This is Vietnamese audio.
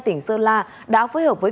tỉnh sơn la đã phối hợp với